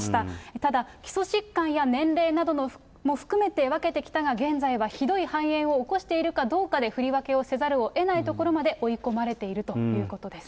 ただ、基礎疾患や年齢なども含めて分けてきたが、現在はひどい肺炎を起こしているかどうかで振り分けをせざるをえないところまで追い込まれているということです。